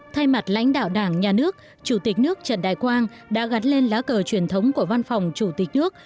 thay mặt lãnh đạo đảng nhà nước chủ tịch nước trần đại quang đã gắn lên lá cờ truyền thống của văn phòng chủ tịch nước